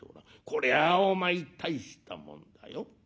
こりゃお前大したもんだよ。